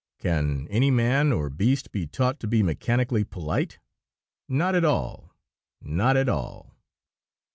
Can any man or beast be taught to be mechanically polite? Not at all not at all!...